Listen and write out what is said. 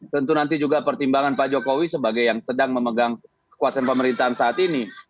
tentu nanti juga pertimbangan pak jokowi sebagai yang sedang memegang kekuasaan pemerintahan saat ini